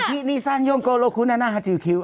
ทิศนิสซันยงโกโรคุนะนะฮาจีอะคิว